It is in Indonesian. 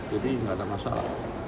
jadi nggak ada masalah